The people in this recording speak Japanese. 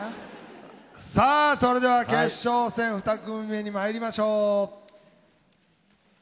さあそれでは決勝戦２組目にまいりましょう。